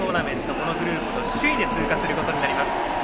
このグループを首位で通過することになります。